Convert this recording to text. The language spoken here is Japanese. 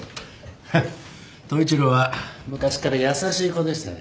統一郎は昔から優しい子でしてね。